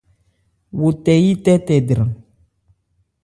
Wo tɛ yí tɛ́tɛ dran.